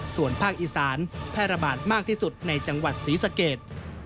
ส่วนภาคอีสานแพร่ระบาดมากที่สุดในจังหวัดศรีสเกต